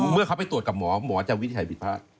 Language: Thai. เมื่อเขาไปตรวจกับหมอหมอจะวินิจฉัยผิดพลาด